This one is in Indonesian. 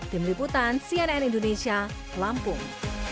tim liputan cnn indonesia lampung